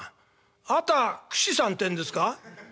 『あたくし』さんてんですか？」。